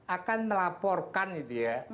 akan melaporkan gitu ya